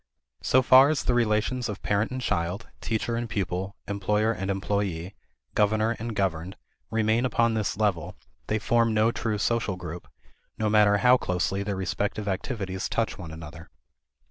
So far as the relations of parent and child, teacher and pupil, employer and employee, governor and governed, remain upon this level, they form no true social group, no matter how closely their respective activities touch one another.